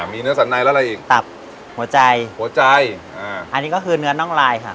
มีเนื้อสันในแล้วอะไรอีกตับหัวใจหัวใจอ่าอันนี้ก็คือเนื้อน่องลายค่ะ